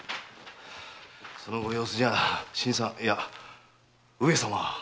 そのご様子じゃあ新さんいや上様は？